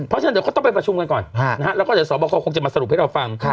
เพราะฉะนั้นเดี๋ยวเขาต้องไปประชุมกันก่อนแล้วก็เดี๋ยวสอบคอคงจะมาสรุปให้เราฟัง